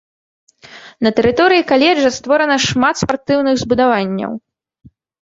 На тэрыторыі каледжа створана шмат спартыўных збудаванняў.